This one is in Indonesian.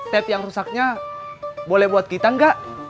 tab yang rusaknya boleh buat kita gak